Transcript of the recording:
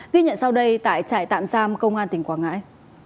ghi nhận sau đây tại trại tạm giam công an tỉnh quảng ngãi